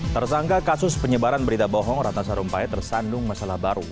tersangka kasus penyebaran berita bohong ratna sarumpait tersandung masalah baru